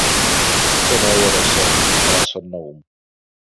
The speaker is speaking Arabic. تناول سامي أقراص النّوم.